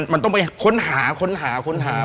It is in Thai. มันต้องไปค้นหาค้นหาค้นหา